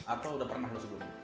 atau udah pernah lo sebelumnya